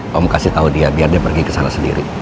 kamu kasih tau dia biar dia pergi kesana sendiri